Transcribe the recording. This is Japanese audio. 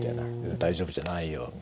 大丈夫じゃないよって。